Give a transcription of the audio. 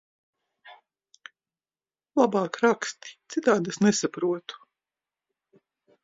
Labāk raksti, citādi es nesaprotu!